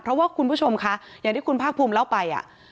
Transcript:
เพราะว่าคุณผู้ชมคะอย่างที่คุณภาคภูมิเล่าไป